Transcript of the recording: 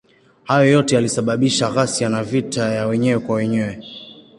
Hayo yote yalisababisha ghasia na vita ya wenyewe kwa wenyewe.